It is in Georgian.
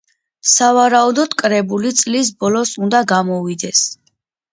სავარაუდოდ კრებული წლის ბოლოს უნდა გამოვიდეს.